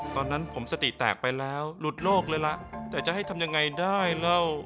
ตอนนั้นผมสติแตกไปแล้วหลุดโลกเลยล่ะแต่จะให้ทำยังไงได้เล่า